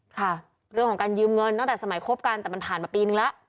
ค่ะเรื่องของการยืมเงินตั้งแต่สมัยคบกันแต่มันผ่านมาปีนึงแล้ว